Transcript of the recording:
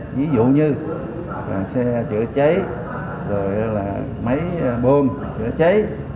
ví dụ như là xe chữa cháy rồi là máy bơm chữa cháy